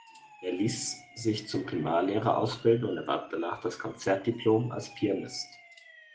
Er liess sich zum Primarlehrer ausbilden und erwarb danach das Konzertdiplom als Pianist.